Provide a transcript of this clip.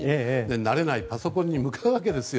慣れないパソコンに向かうわけですよ。